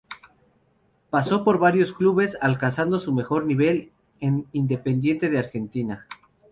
Pasó por varios clubes, alcanzando su mejor nivel en Independiente, de Argentina.